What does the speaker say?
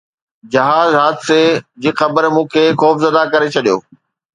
جهاز حادثي جي خبر مون کي خوفزده ڪري ڇڏيو